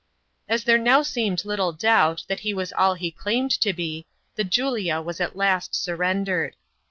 As there now seemed little doubt that he was all he claimed to be, the Julia was at last surrendered.